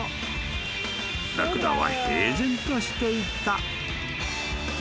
［ラクダは平然としていた］